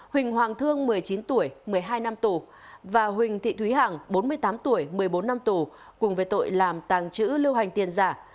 huỳnh hoàng thương một mươi chín tuổi một mươi hai năm tù và huỳnh thị thúy hằng bốn mươi tám tuổi một mươi bốn năm tù cùng về tội làm tàng trữ lưu hành tiền giả